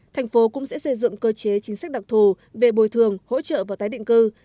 thành phố cũng sẽ xây dựng cơ chế chính sách đặc thù về bồi thường hỗ trợ và tái định cư